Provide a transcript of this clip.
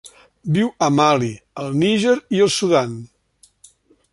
Viu a Mali, el Níger i el Sudan.